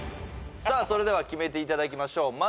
さあそれでは決めていただきましょう